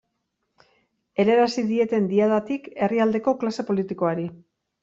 Helarazi dieten Diadatik herrialdeko klase politikoari.